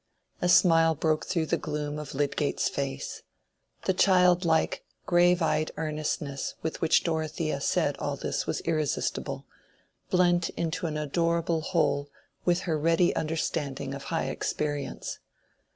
A smile broke through the gloom of Lydgate's face. The childlike grave eyed earnestness with which Dorothea said all this was irresistible—blent into an adorable whole with her ready understanding of high experience.